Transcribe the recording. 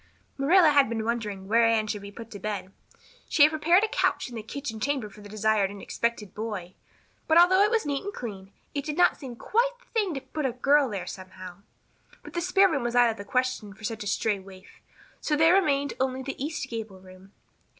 Marilla had been wondering where Anne should be put to bed. She had prepared a couch in the kitchen chamber for the desired and expected boy. But, although it was neat and clean, it did not seem quite the thing to put a girl there somehow. But the spare room was out of the question for such a stray waif, so there remained only the east gable room.